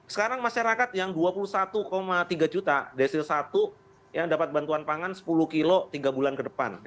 sekarang masyarakat yang dua puluh satu tiga juta desil satu yang dapat bantuan pangan sepuluh kilo tiga bulan ke depan